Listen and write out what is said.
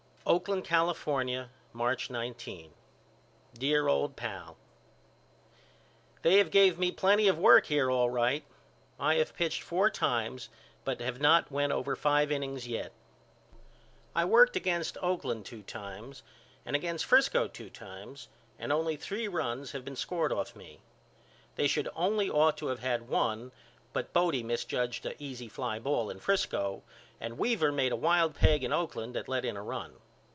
Oakland, California, March 19. DEAR OLD PAL: They have gave me plenty of work here all right. I have pitched four times but have not went over five innings yet. I worked against Oakland two times and against Frisco two times and only three runs have been scored off me. They should only ought to of had one but Bodie misjudged a easy fly ball in Frisco and Weaver made a wild peg in Oakland that let in a run.